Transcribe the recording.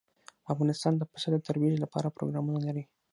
افغانستان د پسه د ترویج لپاره پروګرامونه لري.